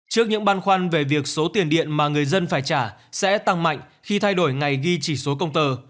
trước những băn khoăn về việc số tiền điện mà người dân phải trả sẽ tăng mạnh khi thay đổi ngày ghi chỉ số công tờ